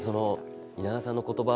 蜷川さんの言葉